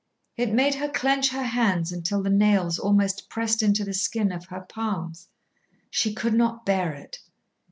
It made her clench her hands until the nails almost pressed into the skin of her palms. She could not bear it.